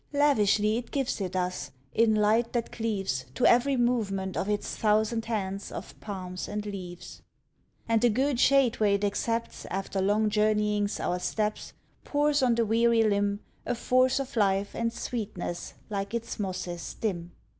Lavishly it gives it us In light that cleaves To every movement of its thousand hands Of palms and leaves. And the good shade where it accepts, After long journeyings, Our steps, Pours on the weary limb A force of life and sweetness like Its mosses dim.